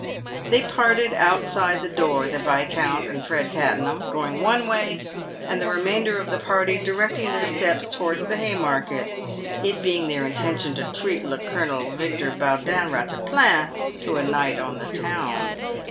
They parted outside the door, the Viscount and Fred Tattenham going one way, and the remainder of the party directing their steps towards the Hay market, it being their intention to treat le Colonel Victor Baudin Battaplan to a night on town.